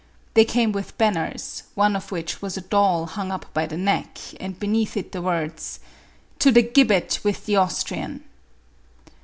They came with banners, one of which was a doll hung up by the neck and beneath it the words — "To the gibbet with the Austrian."